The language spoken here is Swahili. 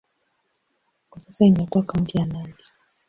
Kwa sasa imekuwa kaunti ya Nandi.